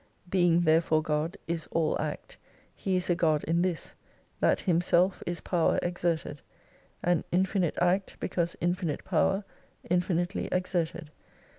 Being therefore God is all Act, He is a God in this, that Himself is Power exerted. An infinite Act because infinite power infinitely exerted.